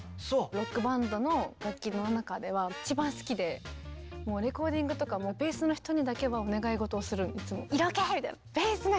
ロックバンドの楽器の中では一番好きでレコーディングとかもベースの人にだけはお願い事をするいつも。